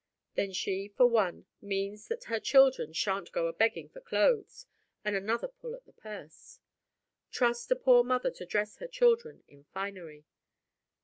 Then she, for one, means that her children sha'n't go a begging for clothes and another pull at the purse. Trust a poor mother to dress her children in finery!